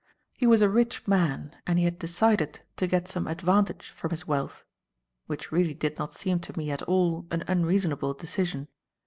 He was a rich man and he had decided to get some advantage from his wealth, which really did not seem to me at all an unreasonable decision.